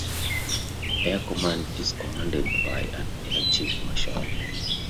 Air Command is commanded by an Air Chief Marshal.